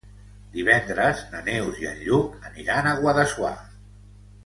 Divendres na Neus i en Lluc aniran a Guadassuar.